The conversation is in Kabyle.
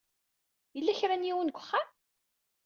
Yella kra n yiwen deg uxxam?